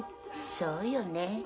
そうよね。